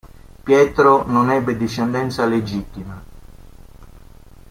Pietro non ebbe discendenza legittima.